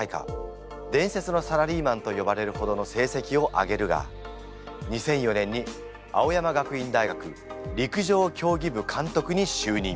伝説のサラリーマンと呼ばれるほどの成績を上げるが２００４年に青山学院大学陸上競技部監督に就任。